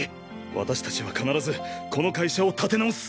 私達は必ずこの会社を立て直す！